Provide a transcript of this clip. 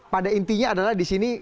pada intinya adalah di sini